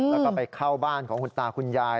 แล้วก็ไปเข้าบ้านของคุณตาคุณยาย